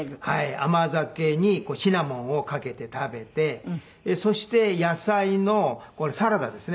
甘酒にシナモンをかけて食べてそして野菜のこれサラダですね。